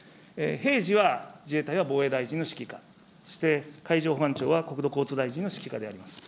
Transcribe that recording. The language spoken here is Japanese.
平時は自衛隊は防衛大臣の指揮下に、そして、海上保安庁は国土交通大臣の指揮下であります。